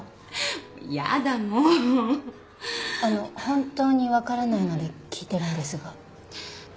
本当に分からないので聞いてるんですが。